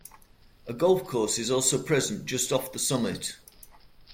A golf course is also present just off the summit.